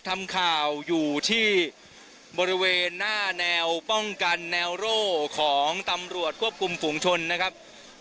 ทำข่าวอยู่ที่บริเวณหน้าแนวป้องกันแนวโร่ของตำรวจควบคุมฝุงชนนะครับ